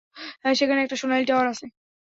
সেখানে একটা সোনালী টাওয়ার আছে।